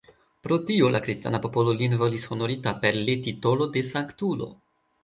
Pro tio la kristana popolo lin volis honorita per le titolo de Sanktulo.